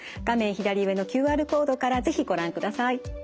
左上のＱＲコードから是非ご覧ください。